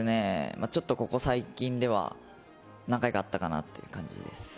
そうですね、ここ最近では何回かあったかなという感じです。